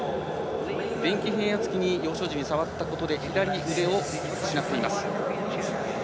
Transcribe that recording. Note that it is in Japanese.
電気変圧器に幼少期に触ったことで左腕を失っています。